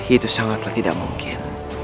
itu sangatlah tidak mungkin